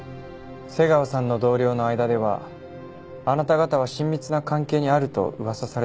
瀬川さんの同僚の間ではあなた方は親密な関係にあると噂されてましたが。